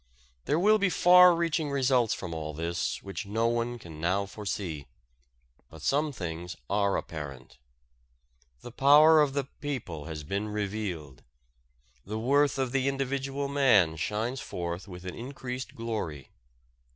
There will be far reaching results from all this which no one can now foresee. But some things are apparent. The power of the people has been revealed. The worth of the individual man shines forth with an increased glory.